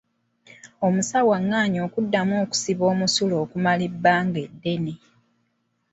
Omusawo angaanye okuddamu okusiba omusulo okumala ebbanga eddene.